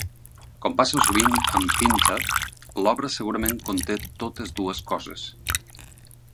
Com passa sovint amb Pinter, l'obra segurament conté totes dues coses.